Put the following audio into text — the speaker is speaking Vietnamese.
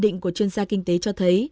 nhận định của chuyên gia kinh tế cho thấy